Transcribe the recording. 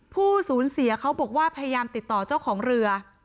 ผู้สูญเสียเขาบอกว่าพยายามติดต่อเจ้าของเรือ